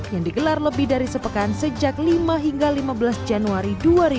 yang digelar lebih dari sepekan sejak lima hingga lima belas januari dua ribu dua puluh